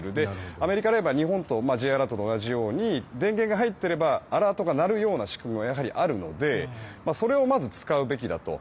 アメリカの場合は日本のＪアラートと同じように電源が入っていれば鳴るような仕組みがやはりあるのでそれをまず使うべきだと。